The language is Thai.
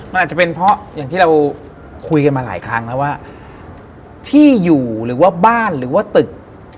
มันอาจจะเป็นเพราะอย่างที่เราคุยกันมาหลายครั้งแล้วว่าที่อยู่หรือว่าบ้านหรือว่าตึก